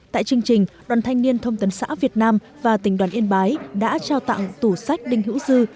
tại chương trình đoàn thanh niên thông tấn xã việt nam và tỉnh đoàn yên bái đã trao tặng tủ sách đinh hữu dư